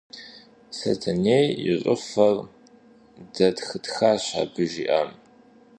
Сэтэней и щӀыфэр дэтхытхащ абы жиӀам.